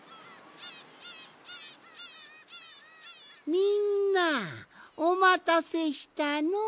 みんなおまたせしたのう。